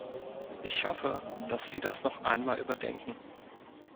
Ich hoffe, dass Sie das noch einmal überdenken.